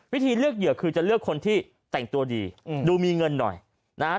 วิธีเลือกเหยื่อคือจะเลือกคนที่แต่งตัวดีอืมดูมีเงินหน่อยนะฮะ